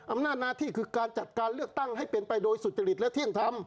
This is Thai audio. อำนาจหน้าที่คือการจัดการเลือกตั้งให้เป็นไปโดยสุจริตและเที่ยงธรรม